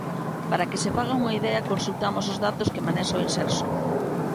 Para que se fagan unha idea consultamos os datos que manexa o Imserso.